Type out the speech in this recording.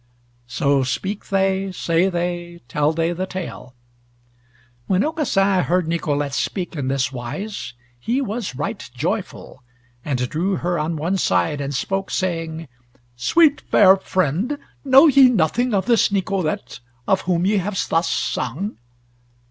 So speak they, say they, tell they the Tale: When Aucassin heard Nicolete speak in this wise, he was right joyful, and drew her on one side, and spoke, saying: "Sweet fair friend, know ye nothing of this Nicolete, of whom ye have thus sung?"